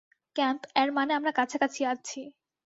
Camp, এর মানে আমরা কাছাকাছি আছি।